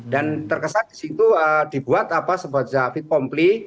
dan terkesan di situ dibuat apa sebuah david pompli